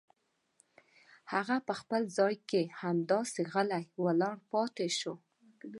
هغه په خپل ځای کې همداسې غلې ولاړه پاتې شوه.